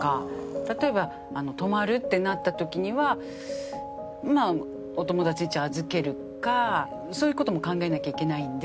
例えば泊まるってなった時にはまあお友達のうち預けるかそういう事も考えなきゃいけないんで。